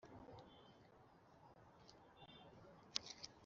Usibye n'uyu muryango w'abaririmbyi tugiye kuvugaho birambuye